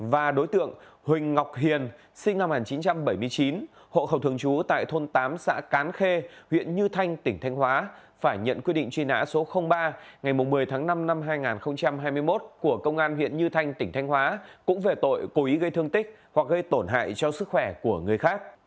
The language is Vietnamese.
và đối tượng huỳnh ngọc hiền sinh năm một nghìn chín trăm bảy mươi chín hộ khẩu thường trú tại thôn tám xã cán khê huyện như thanh tỉnh thanh hóa phải nhận quyết định truy nã số ba ngày một mươi tháng sáu năm hai nghìn một mươi sáu